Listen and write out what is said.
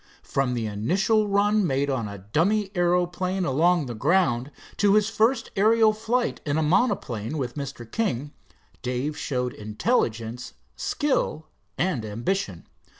From the initial run made on a dummy aeroplane along the ground, to his first aerial flight in a monoplane with Mr. King, Dave showed intelligence, skill and ambition.